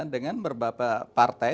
dengan berbagai partai